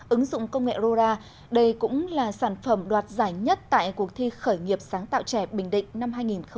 ứng dụng công nghệ rora đây cũng là sản phẩm đoạt giải nhất tại cuộc thi khởi nghiệp sáng tạo trẻ bình định năm hai nghìn hai mươi